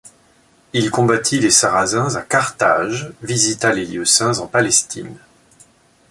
Il combattit les Sarrasins à Carthage, visita les lieux saints en Palestine.